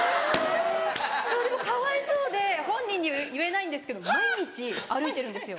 それでもかわいそうで本人に言えないんですけど毎日歩いてるんですよ